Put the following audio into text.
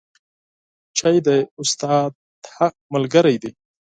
چای د استاد ملګری دی